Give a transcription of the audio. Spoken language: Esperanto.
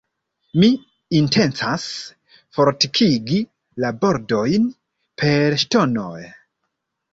Mi intencas fortikigi la bordojn per ŝtonoj.